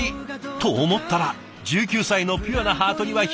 と思ったら１９歳のピュアなハートには響いちゃった。